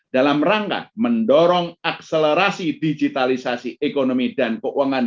dalam rangka mendorong akselerasi digitalisasi ekonomi dan keuangan